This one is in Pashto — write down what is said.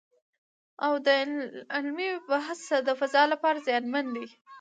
او د علمي بحث د فضا لپاره زیانمن دی